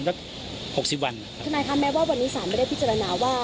ท่านายค่ะแม้ว่าวันนี้สารไม่ได้พิจารณาว่า